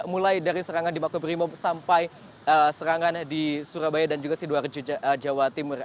mulai dari serangan di makobrimob sampai serangan di surabaya dan juga sidoarjo jawa timur